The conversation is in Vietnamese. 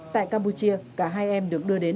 tại campuchia cả hai em được đưa đến